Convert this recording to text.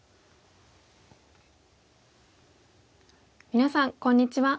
皆さんこんにちは。